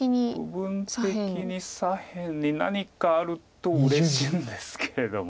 部分的に左辺に何かあるとうれしいんですけれども。